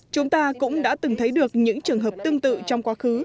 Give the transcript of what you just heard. chúng ta cũng đã từng thấy được những trường hợp tương tự trong quá khứ